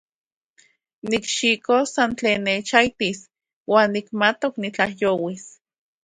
Nikxikos san tlen nechaijtis uan nimatok nitlajyouis.